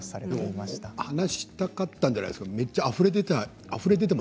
話したかったんじゃないですか。